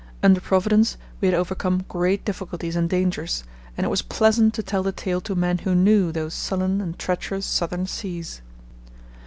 Under Providence we had overcome great difficulties and dangers, and it was pleasant to tell the tale to men who knew those sullen and treacherous southern seas.